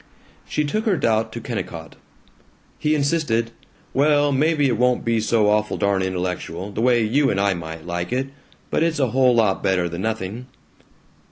She took her doubt to Kennicott. He insisted, "Well, maybe it won't be so awful darn intellectual, the way you and I might like it, but it's a whole lot better than nothing."